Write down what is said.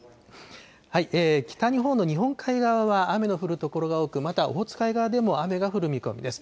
北日本の日本海側は雨の降る所が多く、またオホーツク海側でも雨が降る見込みです。